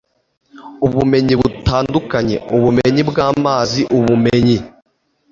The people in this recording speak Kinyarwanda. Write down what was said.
ubumenyi butandukanye ubumenyi bw amazi ubumenyi